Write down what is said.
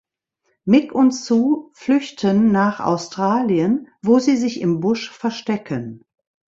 Mick und Sue flüchten nach Australien, wo sie sich im Busch verstecken.